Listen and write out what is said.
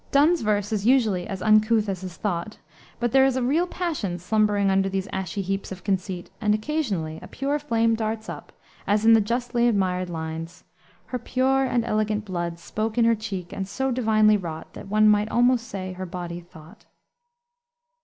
Donne's verse is usually as uncouth as his thought. But there is a real passion slumbering under these ashy heaps of conceit, and occasionally a pure flame darts up, as in the justly admired lines: "Her pure and eloquent blood Spoke in her cheek and so divinely wrought That one might almost say her body thought."